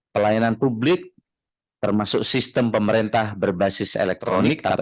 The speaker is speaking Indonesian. pelayanan publik termasuk sistem pemerintah berbasis elektronik